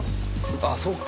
あそうか。